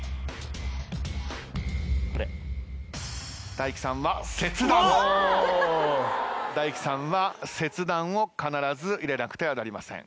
ＤＡＩＫＩさんは「切断」ＤＡＩＫＩさんは切断を必ず入れなくてはなりません。